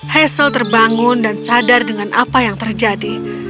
hazel terbangun dan sadar dengan apa yang terjadi